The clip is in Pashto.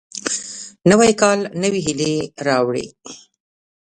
نوی کال نوې هیلې راوړي